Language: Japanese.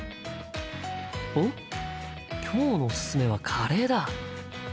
おっ今日のおすすめはカレーだ。